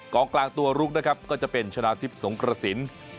กลางตัวลุกนะครับก็จะเป็นชนะทิพย์สงกระสิน